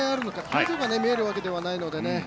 表情が見えるわけではないのでね。